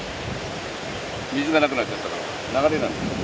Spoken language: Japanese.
水がなくなっちゃったから、流れなくなった。